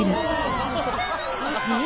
えっ？